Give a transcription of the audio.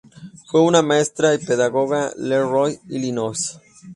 Fue una maestra y pedagoga en LeRoy, Illinois.